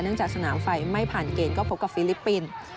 จากสนามไฟไม่ผ่านเกณฑ์ก็พบกับฟิลิปปินส์